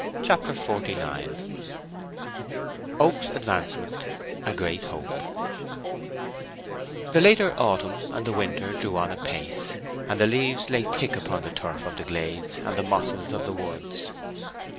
CHAPTER XLIX OAK'S ADVANCEMENT—A GREAT HOPE The later autumn and the winter drew on apace, and the leaves lay thick upon the turf of the glades and the mosses of the woods.